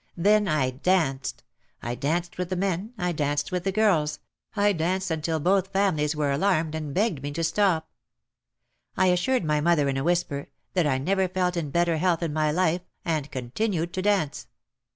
Then I danced. I danced with the men, I danced with the girls, I danced until both families were alarmed and begged me to stop. I assured my mother in a whisper that I never felt in better health in my life and continued to dance.